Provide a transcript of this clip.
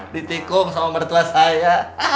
ditikung sama mertua saya